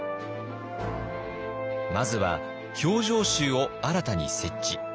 まずは「評定衆」を新たに設置。